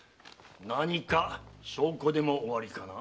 何か証拠でもおありかな？